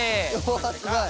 おすごい！